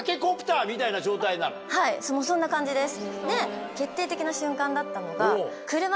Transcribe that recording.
はいそんな感じです。